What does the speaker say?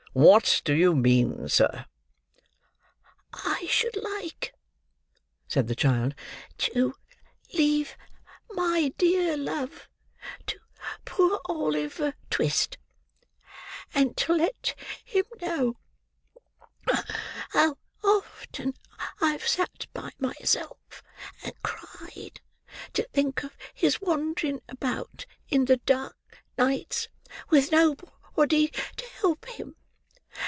"What do you mean, sir?" "I should like," said the child, "to leave my dear love to poor Oliver Twist; and to let him know how often I have sat by myself and cried to think of his wandering about in the dark nights with nobody to help him.